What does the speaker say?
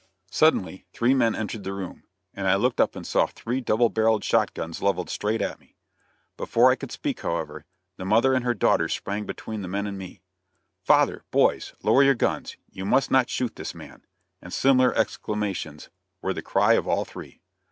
Suddenly three men entered the room, and I looked up and saw three double barreled shot guns leveled straight at me. Before I could speak, however, the mother and her daughters sprang between the men and me. "Father! Boys! Lower your guns! You must not shoot this man," and similar exclamations, were the cry of all three.